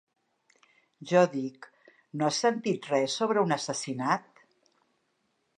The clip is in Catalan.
Jo dic: "no has sentit res sobre un assassinat?".